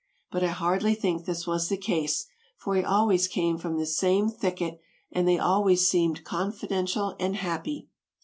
But I hardly think this was the case, for he always came from this same thicket and they always seemed confidential and happy.